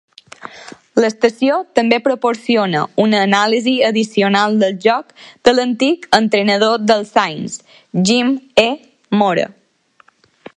L'estació també proporciona una anàlisi addicional del joc de l'antic entrenador dels Saints, Jim E. Mora.